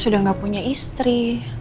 sudah gak punya istri